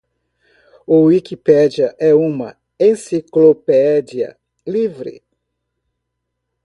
O Wikipédia é uma enciclopédia livre